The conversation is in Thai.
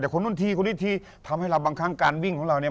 แต่คนนู้นทีคนนี้ทีทำให้เราบางครั้งการวิ่งของเราเนี่ย